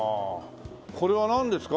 これはなんですか？